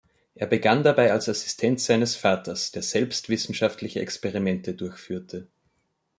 Er begann dabei als Assistent seines Vaters, der selbst wissenschaftliche Experimente durchführte.